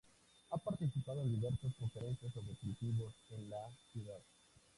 Han participado en diversas conferencias sobre colectivos en la Cd.